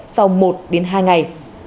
sau một hai ngày